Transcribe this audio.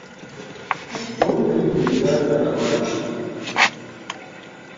Tom yahinduye imyanya na Mariya